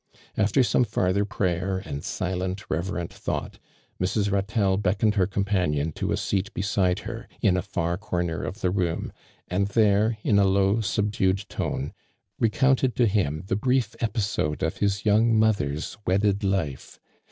After some farther prayer and silent, reverent thought, Mrs. liatelle beckoned her companion to a seat beside her, in a far corner of the room, and there, in a low, subdued tone, recount ed to him the brief episode of his young mother's wedded life.